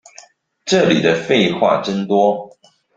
這裡的廢話真多